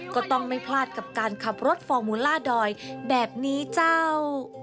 ก็ไม่พลาดกับการขับรถฟอร์มูล่าดอยแบบนี้เจ้า